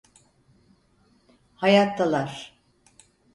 Hayattalar.